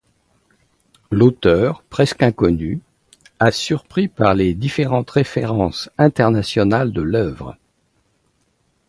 L'auteur, presque inconnu, a surpris par les différentes références internationales de l'œuvre.